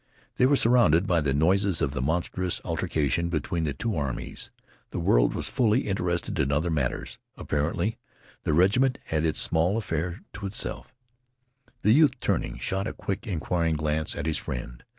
They were surrounded by the noises of the monstrous altercation between the two armies. The world was fully interested in other matters. Apparently, the regiment had its small affair to itself. The youth, turning, shot a quick, inquiring glance at his friend.